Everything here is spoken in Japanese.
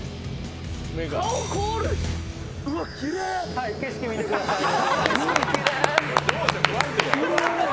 はい、景色見てくださいね。